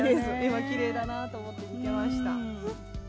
きれいだなと思って見てました。